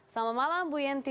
selamat malam bu yanti